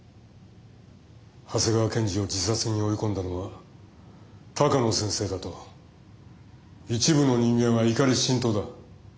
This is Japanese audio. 長谷川検事を自殺に追い込んだのは鷹野先生だと一部の人間は怒り心頭だ。